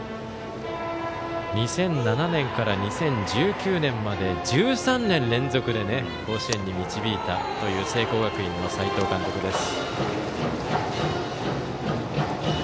２００７年から２０１９年まで１３年連続で甲子園に導いたという聖光学院の斎藤監督です。